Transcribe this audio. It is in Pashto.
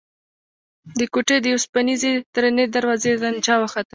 د کوټې د اوسپنيزې درنې دروازې غنجا وخته.